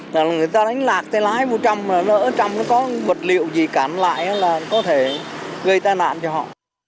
người ta đánh lạc tay lái vô trong lỡ trong nó có bật liệu gì cản lại là có thể gây tai nạn cho họ